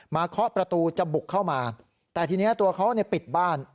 เคาะประตูจะบุกเข้ามาแต่ทีนี้ตัวเขาปิดบ้าน